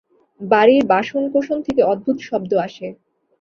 বাড়ির বাসনকোসন থেকে অদ্ভুত শব্দ আসে।